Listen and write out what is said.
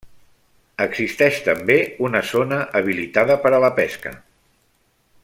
Existeix també una zona habilitada per a la pesca.